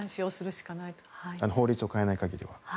法律を変えない限りは。